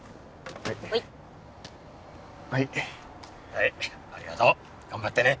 はいありがとう。頑張ってね。